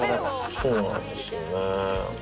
そうなんですよね。